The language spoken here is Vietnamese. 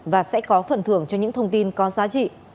và sẽ có phần thưởng cho những thông tin có giá trị